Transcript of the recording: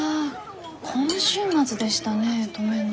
今週末でしたね登米能。